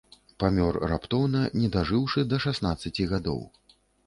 Памёр раптоўна, не дажыўшы да шаснаццаці гадоў.